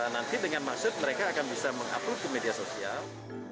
nanti dengan maksud mereka akan bisa mengupload ke media sosial